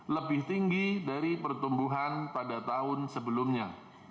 lebih tinggi dari pertumbuhan pada tahun sebelumnya